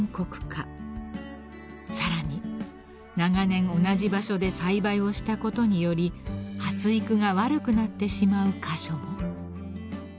［さらに長年同じ場所で栽培をしたことにより発育が悪くなってしまう箇所も］